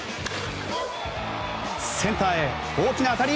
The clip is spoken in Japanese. センターへ大きな当たり！